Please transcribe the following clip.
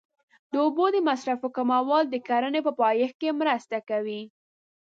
د اوبو د مصرف کمول د کرنې په پایښت کې مرسته کوي.